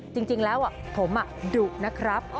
จริงแล้วผมดุนะครับ